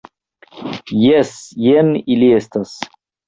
Jes; jen ili estas.